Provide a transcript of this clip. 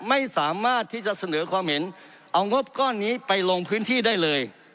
ไม่สามารถที่จะเสนอความเห็นเอางบก้อนนี้ไปลงพื้นที่ได้เลย